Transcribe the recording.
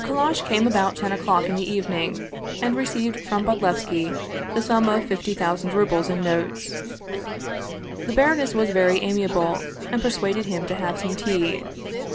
Kallash came about ten o'clock in the evening, and received from Bodlevski the sum of fifty thousand rubles in notes. The baroness was very amiable, and persuaded him to have some tea.